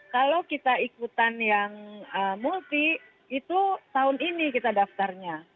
kalau kita ikutan yang multi itu tahun ini kita daftarnya